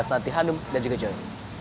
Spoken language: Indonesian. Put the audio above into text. nanti hanum dan juga joy